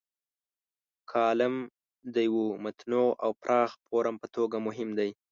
کالم د یوه متنوع او پراخ فورم په توګه مهم دی.